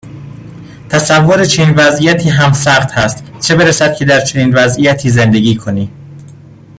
تصور چنین وضعیتی هم سخت هست، چه برسد که در چنین وضعیتی زندگی کنی.